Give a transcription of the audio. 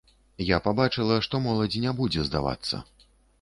Я пабачыла, што моладзь не будзе здавацца.